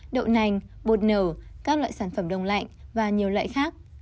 đậu nành bột nở các loại sản phẩm đông lạnh và nhiều loại khác